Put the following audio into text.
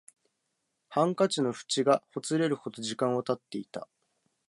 ハンカチの縁がほつれるほど時間は経っていた